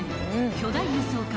巨大輸送艦